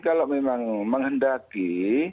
kalau memang menghendaki